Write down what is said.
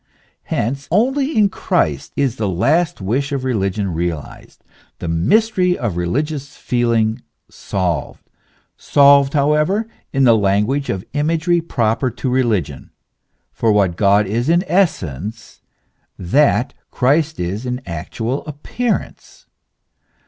Hence, only in Christ is the last wish of religion realized, the mystery of religious feeling solved : solved how ever in the language of imagery proper to religion, for what God is in essence, that Christ is in actual appearance.